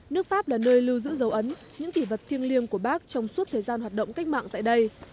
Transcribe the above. nước pháp là nơi lưu giữ dấu ấn những kỷ vật thiêng liêng của bác trong suốt thời gian hoạt động cách mạng tại đây